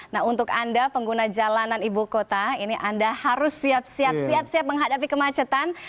nah untuk anda pengguna jalanan ibu kota ini anda harus siap siap menghadapi kemacetan